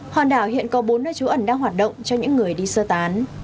hòn đảo hiện có bốn nơi trú ẩn đang hoạt động cho những người đi sơ tán